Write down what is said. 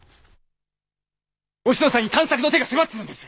おしのさんに探索の手が迫ってるんです！